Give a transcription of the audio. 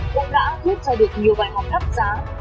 cũng đã rút ra được nhiều bài học đắt giá